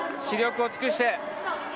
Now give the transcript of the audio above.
死力を尽くして。